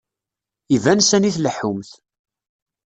Iban sani tleḥḥumt.